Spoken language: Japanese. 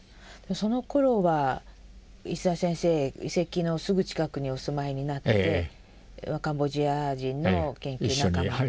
そのころは石澤先生遺跡のすぐ近くにお住まいになってカンボジア人の研究仲間と。